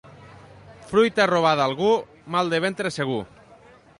Fruita robada a algú, mal de ventre segur.